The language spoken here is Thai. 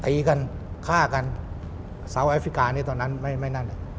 ตีกันฆ่ากันสาวแอฟริกานี่ตอนนั้นไม่นั่น